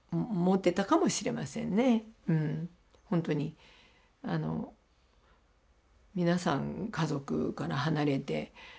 ほんとに皆さん家族から離れてね